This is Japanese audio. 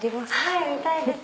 はい見たいです！